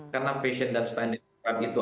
karena fashion dan stand up itu